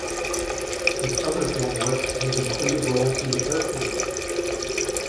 His other film work has included roles in Airplane!